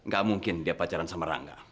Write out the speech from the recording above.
gak mungkin dia pacaran sama rangga